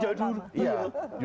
dari pasal dulu